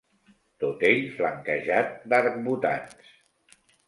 Tot ell flanquejat d'arcbotants